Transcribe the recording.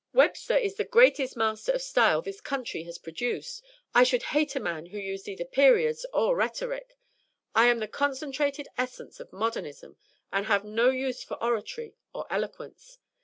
"Webster is the greatest master of style this country has produced. I should hate a man who used either 'periods' or rhetoric. I am the concentrated essence of modernism and have no use for 'oratory' or 'eloquence.'